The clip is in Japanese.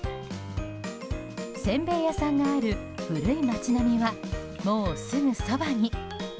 せんべい屋さんがある古い町並みはもうすぐそばに。